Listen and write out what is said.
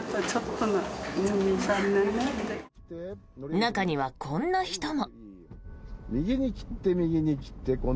中にはこんな人も。